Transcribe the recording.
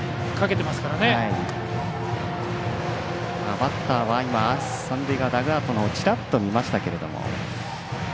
バッターは三塁側ダグアウトをチラッと見ましたけど。